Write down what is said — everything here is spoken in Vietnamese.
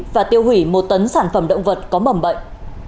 và tiêu hủy một tấn sản phẩm động vật có mầm bệnh